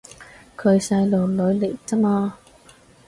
佢細路女嚟咋嘛